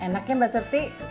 enak ya mbak certi